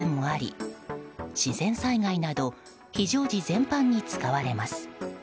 トイレやシャワー室もあり自然災害など非常時全般に使われます。